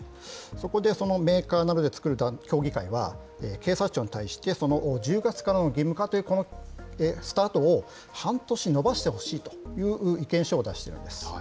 そこで、そのメーカーなどで作る協議会は、警察庁に対して１０月からの義務化というスタートを、半年延ばしてほしいという意見書を出しているんです。